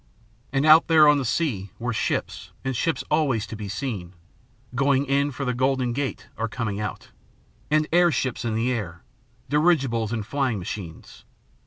And out there on the sea were ships and ships always to be seen, going in for the Golden Gate or coming out. And airships in the air dirigibles and flying machines.